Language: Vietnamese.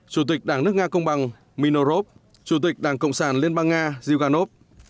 chủ tịch đảng nước nga công bằng minorov chủ tịch đảng cộng sản liên bang nga zyuganov